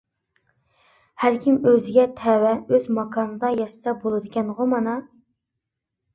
ھەر كىم ئۆزىگە تەۋە ئۆز ماكانىدا ياشىسا بولىدىكەنغۇ مانا؟!